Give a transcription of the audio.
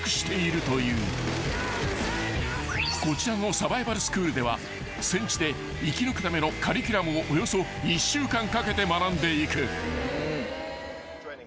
［こちらのサバイバルスクールでは戦地で生き抜くためのカリキュラムをおよそ１週間かけて学んでいく］